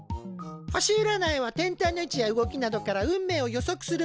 星うらないは天体の位置や動きなどから運命を予測するもの。